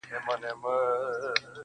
زما له انګړه جنازې در پاڅي٫